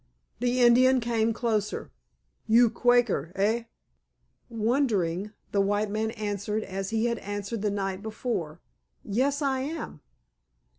The Indian came closer. "You Quaker, eh?" Wondering, the white man answered as he had answered the night before, "Yes, I am."